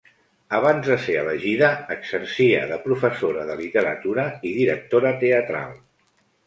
Abans de ser elegida, exercia de professora de literatura i directora teatral.